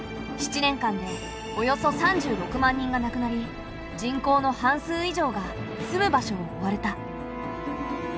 ７年間でおよそ３６万人がなくなり人口の半数以上が住む場所を追われた。